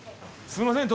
すいません